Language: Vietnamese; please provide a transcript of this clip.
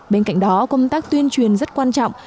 bên cạnh đó công tác tuyên truyền rất quan trọng